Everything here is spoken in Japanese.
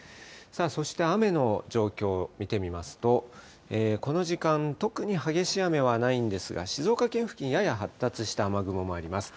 そして雨の状況見てみますと、この時間、特に激しい雨はないんですが、静岡県付近、やや発達した雨雲もあります。